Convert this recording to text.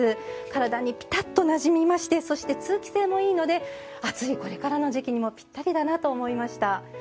体にぴたっとなじんで通気性もいいので暑いこれからの時期にもぴったりだなと思いました。